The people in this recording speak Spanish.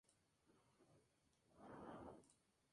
En tiempos de Johann Sebastian Bach fue un pequeño centro musical.